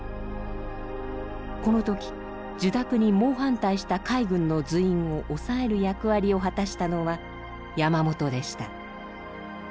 この時受諾に猛反対した海軍の随員を抑える役割を果たしたのは山本でした。